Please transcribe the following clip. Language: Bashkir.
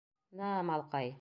— На-а, малҡай!..